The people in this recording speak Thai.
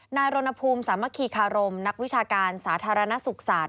นายรณภูมิสามัคคีคารมนักวิชาการสาธารณสุขศาสต